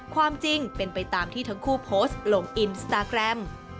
ความจริงเป็นไปตามที่ทั้งคู่โพสต์ลงอินสตาแกรม